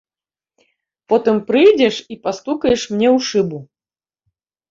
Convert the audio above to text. Потым прыйдзеш і пастукаеш мне ў шыбу.